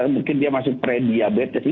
mungkin dia masuk prediabetes